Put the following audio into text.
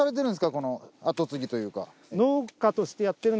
この跡継ぎというか。